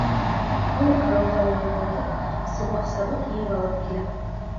Ул арыу-талыуын онотоп, сыбыҡ-сабыҡ йыйып алып килә.